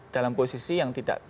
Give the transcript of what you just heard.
dalam posisi yang tidak